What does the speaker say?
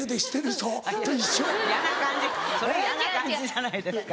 それ嫌な感じじゃないですか。